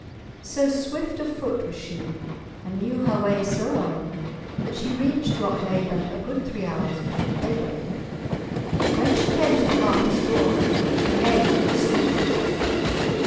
So swift of foot was she, and knew her way so well, that she reached Lochmaben a good three hours before daybreak. When she came to the Harper's door, she neighed and snorted.